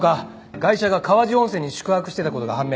ガイシャが川治温泉に宿泊していた事が判明。